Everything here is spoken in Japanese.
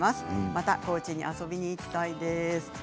また高知に遊びに行きたいです。